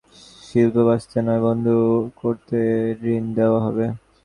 শিল্প বাঁচাতে নয়, বন্ধ করতে ঋণ দেওয়া হয়।